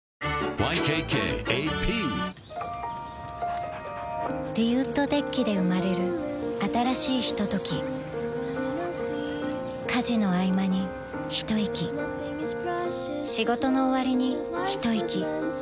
ＹＫＫＡＰリウッドデッキで生まれる新しいひととき家事のあいまにひといき仕事のおわりにひといき